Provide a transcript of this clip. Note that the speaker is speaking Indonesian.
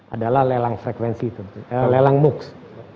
adalah lelang frekuensi lelang moocs